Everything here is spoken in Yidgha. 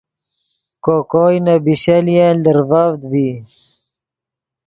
کو کوئے نے بیشَلۡیَنۡ لرڤڤد ڤی